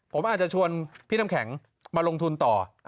ผมอาจจะชวนพี่น้ำแข็งมาลงทุนต่อ